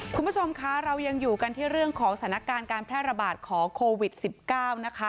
คุณผู้ชมคะเรายังอยู่กันที่เรื่องของสถานการณ์การแพร่ระบาดของโควิด๑๙นะคะ